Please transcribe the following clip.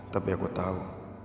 tapi aku tau